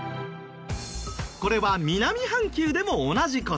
これは南半球でも同じ事。